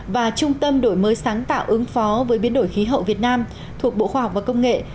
và trung tâm đổi mới sáng tạo ứng phó với biến đổi khí hậu việt nam thuộc bộ khoa học và công nghệ